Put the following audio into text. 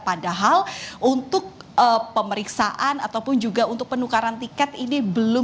padahal untuk pemeriksaan ataupun juga untuk penukaran tiket ini belum